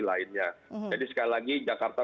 lainnya jadi sekali lagi jakarta